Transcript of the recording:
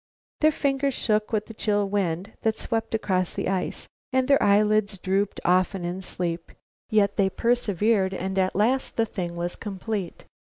Their fingers shook with the chill wind that swept across the ice and their eyelids drooped often in sleep, yet they persevered and at last the thing was complete.